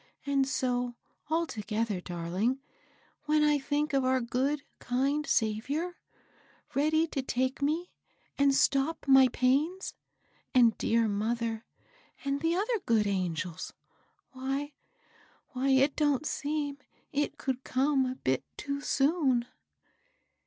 And so, altogether, darling, when I think of our good, kind Saviour, ready to take me and stop my pains, and dear mother, and the other good angels, why — why, it don't seem it could come a bit too soon."